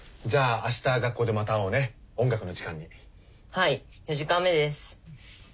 はい４時間目です。